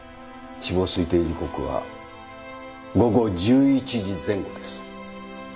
死亡推定時刻は午後１１時前後です。